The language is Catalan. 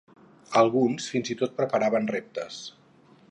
Alguns fins i tot preparaven reptes.